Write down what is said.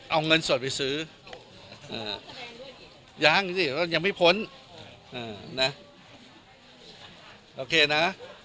เอาเงินสดไปซื้ออ่ายังสิยังไม่พ้นอ่านะโอเคนะ